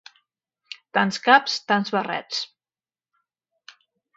Tants caps tants barrets